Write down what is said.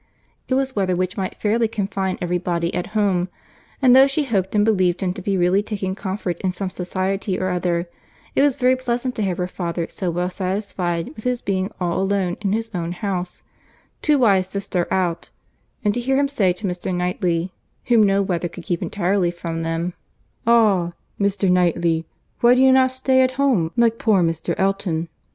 It was weather which might fairly confine every body at home; and though she hoped and believed him to be really taking comfort in some society or other, it was very pleasant to have her father so well satisfied with his being all alone in his own house, too wise to stir out; and to hear him say to Mr. Knightley, whom no weather could keep entirely from them,— "Ah! Mr. Knightley, why do not you stay at home like poor Mr. Elton?"